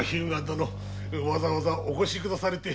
わざわざお越しくだされ